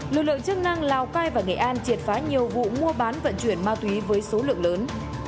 lực lượng chức năng lào cai và nghệ an triệt phá nhiều vụ mua bán vận chuyển ma túy với số lượng lớn